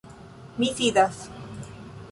Mi sidas.